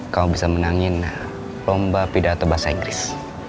kamu bisa menangin lomba pidato bahasa inggris